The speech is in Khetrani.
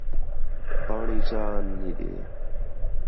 پاݨی چا آن ہݙے